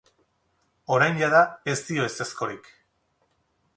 Orain, jada, ez dio ezezkorik.